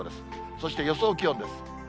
そして予想気温です。